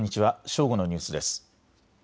正午のニュースです。